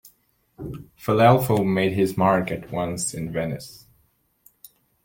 Filelfo made his mark at once in Venice.